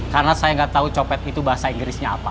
karena saya gak tau copet itu bahasa inggrisnya apa